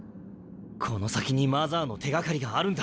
この先にマザーの手掛かりがあるんだ。